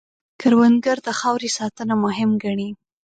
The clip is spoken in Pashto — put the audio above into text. کروندګر د خاورې ساتنه مهم ګڼي